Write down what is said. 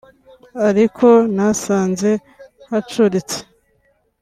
ariko nasanze hacuritse